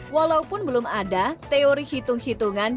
walaupun belum ada teori hitung hitungan